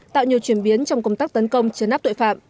tạo nhiều chuyển biến trong công tác tấn công chứa nắp tội phạm